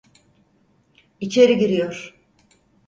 İçeri giriyor.